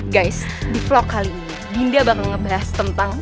guys di vlog kali ini dinda bakal ngebahas tentang